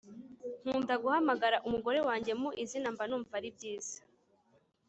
Nkuda guhamagara umugore wanjye mu izina mbanumva aribyiza